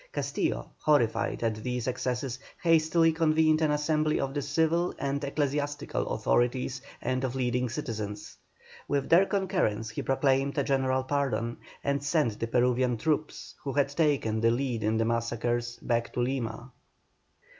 Castillo, horrified at these excesses, hastily convened an assembly of the civil and ecclesiastical authorities and of leading citizens. With their concurrence he proclaimed a general pardon, and sent the Peruvian troops, who had taken the lead in the massacres, back to Lima.